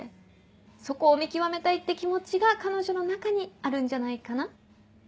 そこを見極めたいって気持ちが彼女の中にあるんじゃないかな？